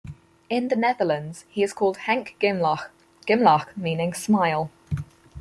In the Netherlands, he is called "Henk Glimlach", "glimlach" meaning "smile".